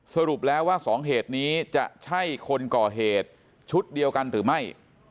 สรุปแล้วว่าสองเหตุนี้จะใช่คนก่อเหตุชุดเดียวกันหรือไม่